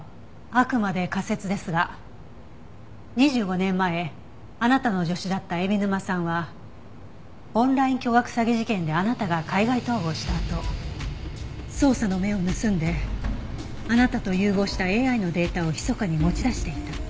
あくまで仮説ですが２５年前あなたの助手だった海老沼さんはオンライン巨額詐欺事件であなたが海外逃亡したあと捜査の目を盗んであなたと融合したＡＩのデータをひそかに持ち出していた。